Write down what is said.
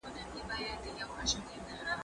که وخت وي، ونې ته اوبه ورکوم!؟